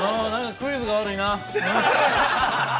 ◆クイズが悪いな。